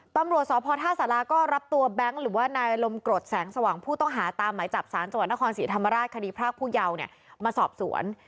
ตำรวจสภศรก็รับตัวแบงค์หรือไนลมโกรธแสงสว่างผู้ต้องหาตามหมายจับศาลจนศศิษย์ธรรมราชคพยมาสอบสวน